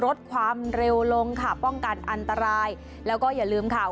ลดความเร็วลงค่ะป้องกันอันตรายแล้วก็อย่าลืมค่ะ